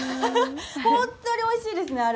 本当においしいですね、あれ。